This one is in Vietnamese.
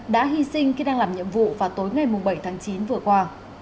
đã hy sinh khi đang làm nhiệm vụ vào tối ngày bảy tháng chín vừa qua